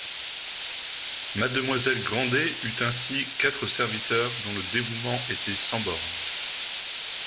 Mademoiselle Grandet eut ainsi quatre serviteurs dont le dévouement était sans bornes.